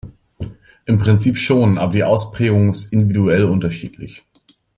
Im Prinzip schon, aber die Ausprägung ist individuell unterschiedlich.